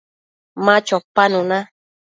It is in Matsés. Ma chopanuna